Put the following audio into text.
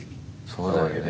そうだよね。